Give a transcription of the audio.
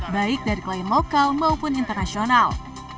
baik dari klien lokal maupun internasional